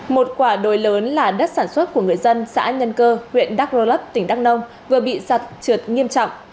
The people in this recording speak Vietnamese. một quả đồi lớn là đất sản xuất của người dân xã nhân cơ huyện đắc rô lấp tỉnh đắc nông vừa bị giặt trượt nghiêm trọng